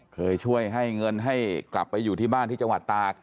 เคยช่วยให้เงินให้กลับไปอยู่ที่บ้านที่จังหวัดตาก